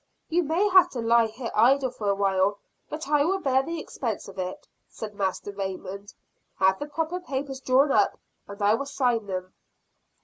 "You may have to lie here idle for a while; but I will bear the expense of it," said Master Raymond. "Have the proper papers drawn up, and I will sign them."